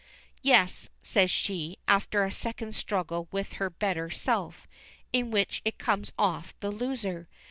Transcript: "Yes," says she, after a second's struggle with her better self, in which it comes off the loser.